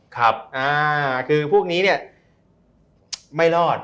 ครับคือพวกนี้เนี่ยไม่รอด